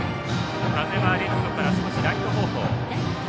風はレフトから少しライト方向。